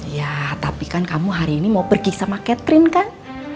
ya tapi kan kamu hari ini mau pergi sama catherine kan